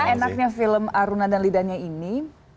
enaknya film aruna dan lidahnya ini